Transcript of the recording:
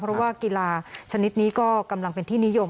เพราะว่ากีฬาชนิดนี้ก็กำลังเป็นที่นิยม